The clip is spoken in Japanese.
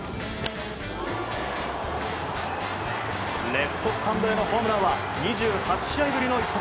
レフトスタンドへのホームランは２８試合ぶりの一発。